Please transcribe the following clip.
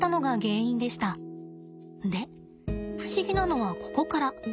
で不思議なのはここから。